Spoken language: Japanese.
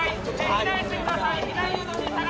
避難してください。